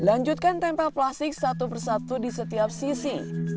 lanjutkan tempel plastik satu persatu di setiap sisi